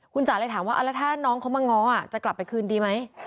คุณจ๋าเลยถามว่าแล้วถ้าน้องเขามาง้อจะกลับไปคืนดีไหม